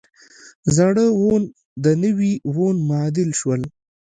زاړه وون د نوي وون معادل شول.